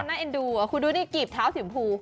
ก็น่าเอนดูอ่ะคุณดูนี่กีบเท้าสิมพู